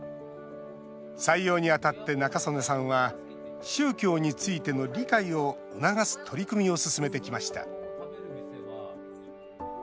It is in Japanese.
採用にあたって、仲宗根さんは宗教についての理解を促す取り組みを進めてきました。